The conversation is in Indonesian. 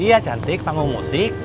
iya cantik panggung musik